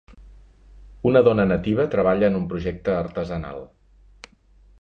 Una dona nativa treballa en un projecte artesanal.